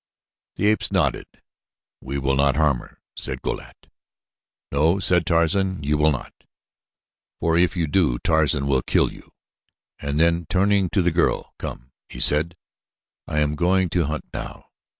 The apes nodded. "We will not harm her," said Go lat. "No," said Tarzan. "You will not. For if you do, Tarzan will kill you," and then turning to the girl, "Come," he said, "I am going to hunt now.